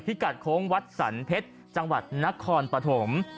กัดโค้งวัดสรรเพชรจังหวัดนครปฐม